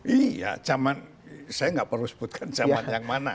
iya zaman saya nggak perlu sebutkan zaman yang mana